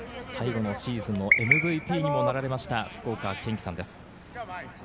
最後のシーズン、ＭＶＰにもなられました、福岡堅樹さんです。